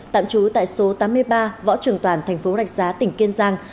tạm trú tại số tám mươi ba võ trường toàn thành phố rạch giá tỉnh kiên giang